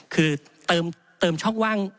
คือเติมช่องว่าง